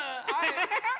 ハハハハハ！